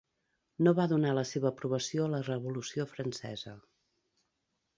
No va donar la seva aprovació a la Revolució francesa.